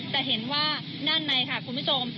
แต่เห็นว่านั่นในค่ะคุณผู้ชม